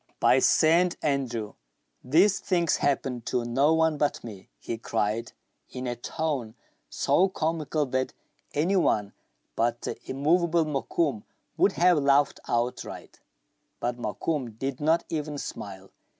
" By St. Andrew ! these things happen to no one but me," he cried, in a tone so comical that any one but the immovable Mokoum would have laughed outright. But Mokoum did not even smile.